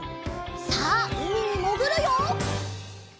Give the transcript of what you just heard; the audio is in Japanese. さあうみにもぐるよ！